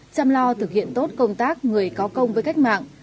chăm lo thực hiện tốt công tác người có công với cách mạng